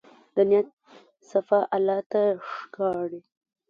د نیت صفا الله ته ښکاري.